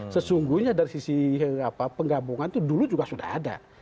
sesungguhnya dari sisi penggabungan itu dulu juga sudah ada